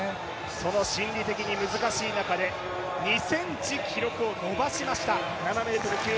その心理的に難しい中で２ｃｍ記録を伸ばしました。